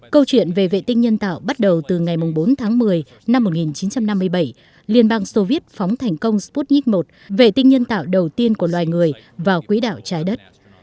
câu chuyện về vệ tinh nhân tạo bắt đầu từ ngày bốn tháng một mươi năm một nghìn chín trăm năm mươi bảy liên bang soviet phóng thành công sputnik một vệ tinh nhân tạo đầu tiên của loài người vào quỹ đảo trái đất